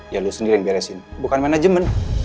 ya lu sendiri yang beresin bukan manajemen